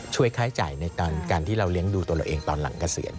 ช่วยค่าใช้จ่ายในการที่เราเลี้ยงดูตัวเราเองตอนหลังเกษียณ